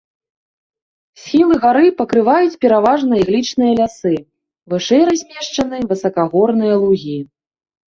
Схілы гары пакрываюць пераважна іглічныя лясы, вышэй размешчаны высакагорныя лугі.